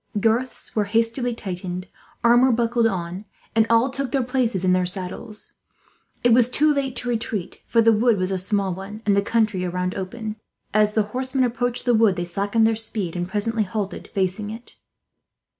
Girths were hastily tightened, armour buckled on, and all took their places in their saddles. It was too late to retreat, for the wood was a small one, and the country around open. As the horsemen approached the wood they slackened speed; and presently halted, facing it.